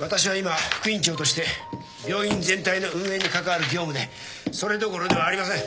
私は今副院長として病院全体の運営に関わる業務でそれどころではありません。